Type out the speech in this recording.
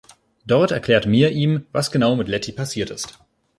Dort erklärt Mia ihm, was genau mit Letty passiert ist.